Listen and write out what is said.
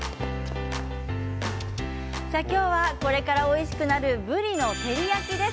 今日はこれからおいしくなる、ぶりの照り焼きです。